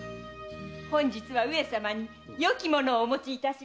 本日は上様によき物をお持ちしました。